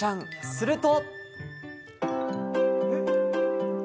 すると。